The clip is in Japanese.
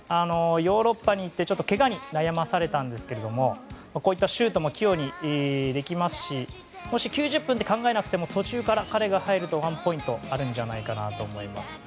ヨーロッパに行ってけがに悩まされたんですけどもこういったシュートも器用にできますしもし９０分って考えなくても途中から彼が入るとワンポイントあるんじゃないかなと思います。